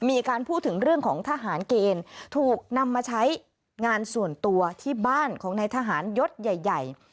มีการพูดถึงเรื่องของทหารเกณฑ์ถูกนำมาใช้งานส่วนตัวที่บ้านของนายทหารยศใหญ่